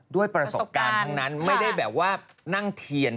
ด้วยประสบการณ์ทั้งนั้นไม่ได้แบบว่านั่งเทียน